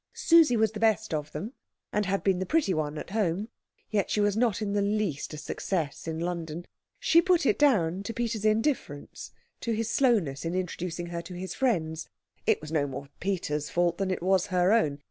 Susie was the best of them, and had been the pretty one at home; yet she was not in the least a success in London. She put it down to Peter's indifference, to his slowness in introducing her to his friends. It was no more Peter's fault than it was her own.